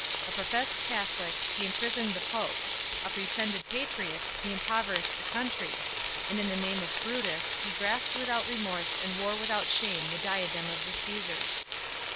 "A professed Catholic, he imprisoned the Pope; a pretended patriot, he impoverished the country; and in the name of Brutus, he grasped without remorse and wore without shame the diadem of the Cæsars!